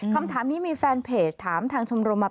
คำถามนี้มีแฟนเพจถามทางชมรมมา